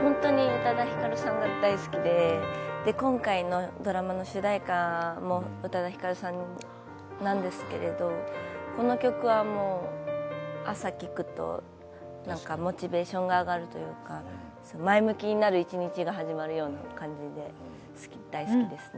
本当に宇多田ヒカルさんが大好きで、今回のドラマの主題歌も宇多田ヒカルさんなんですけど、この曲は朝聴くとモチベーションが上がるというか、前向きになる一日が始まるような感じで大好きですね。